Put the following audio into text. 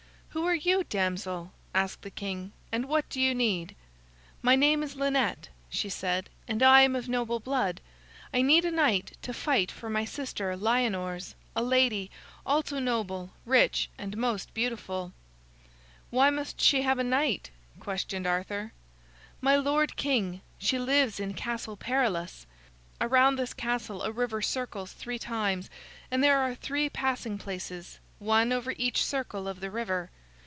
"Who are you, damsel?" asked the king, "and what do you need?" "My name is Lynette," she said, "and I am of noble blood. I need a knight to fight for my sister Lyonors, a lady, also noble, rich, and most beautiful." "Why must she have a knight?" questioned Arthur. "My Lord King, she lives in Castle Perilous. Around this castle a river circles three times, and there are three passing places, one over each circle of the river.